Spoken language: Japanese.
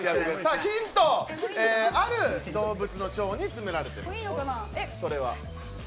ヒント、ある動物の腸に詰められています、それは？